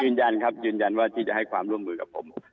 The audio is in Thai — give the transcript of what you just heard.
ยืนยันครับยืนยันว่าที่จะให้ความร่วมมือกับผม